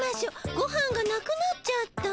ごはんがなくなっちゃった。